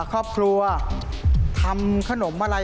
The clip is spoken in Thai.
ครอบครัวทำขนมอะไร